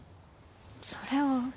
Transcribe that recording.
それは。